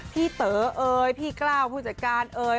เต๋อเอ๋ยพี่กล้าวผู้จัดการเอ่ย